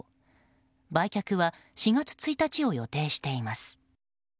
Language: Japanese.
売却は４月１日を予定しています。